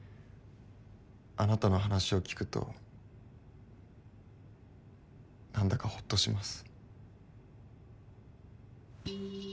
あなたの話を聞くとなんだかほっとします。